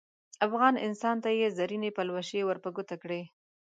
افغان انسان ته یې زرینې پلوشې ور په ګوته کړې.